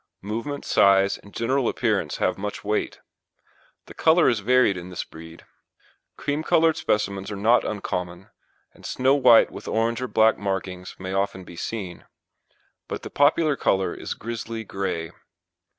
Movement, size, and general appearance have much weight. The colour is varied in this breed. Cream coloured specimens are not uncommon, and snow white with orange or black markings may often be seen, but the popular colour is grizzly grey.